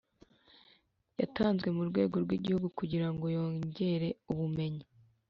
Yatanzwe mu rwego rw igihugu kugira ngo yongere ubumenyi